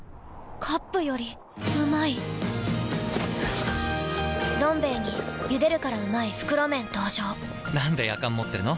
カップよりうまい「どん兵衛」に「ゆでるからうまい！袋麺」登場なんでやかん持ってるの？